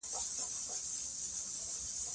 افغانستان په جلګه باندې تکیه لري.